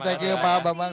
terima kasih pak bambang